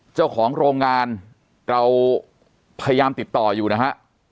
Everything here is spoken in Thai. เจ้าของโรงงานเราพยายามติดต่ออยู่นะฮะ